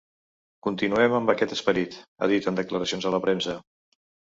Continuem amb aquest esperit, ha dit en declaracions a la premsa.